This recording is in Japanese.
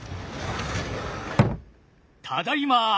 ただいま。